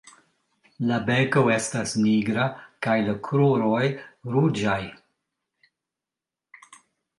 La beko estas nigra kaj la kruroj ruĝaj.